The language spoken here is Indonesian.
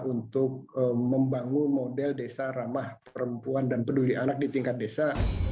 untuk membangun model desa ramah perempuan dan peduli anak di tingkat desa